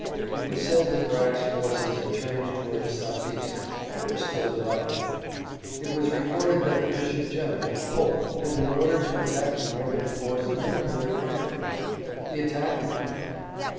It was said that Bragg's forces had turned toward the southeast, but were still divided. It was reported that the Bishop General, Polk, had been ordered to attack the Northern force in or near Frankfort, but the attack did not come.